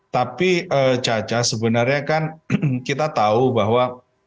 tapi caca sebenarnya kan kita tahu bahwa